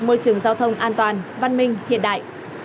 môi trường giao thông an toàn văn minh hiện đại